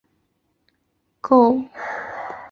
姓名职业与研究机构